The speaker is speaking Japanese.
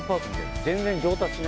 全然、上達しない。